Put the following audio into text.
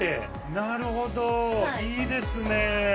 なるほどいいですね。